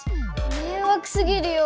めいわくすぎるよ！